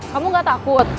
kamu gak takut